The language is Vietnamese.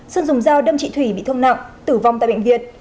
sơn dùng dao đâm chị thủy bị thương nặng tử vong tại bệnh viện